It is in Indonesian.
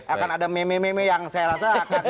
akan ada meme meme yang saya rasa akan